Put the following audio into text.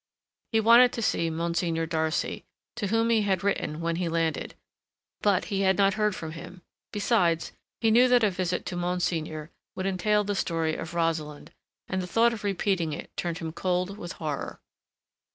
He wanted to see Monsignor Darcy, to whom he had written when he landed, but he had not heard from him; besides he knew that a visit to Monsignor would entail the story of Rosalind, and the thought of repeating it turned him cold with horror.